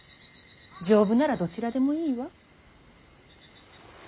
丈夫ならどちらでもいいわ。